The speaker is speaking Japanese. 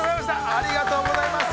◆ありがとうございます。